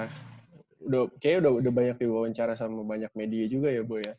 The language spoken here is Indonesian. kayaknya udah banyak diwawancara sama banyak media juga ya bu ya